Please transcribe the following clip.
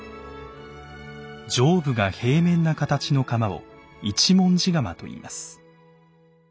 上部が平面な形の釜を「一文字釜」といいます。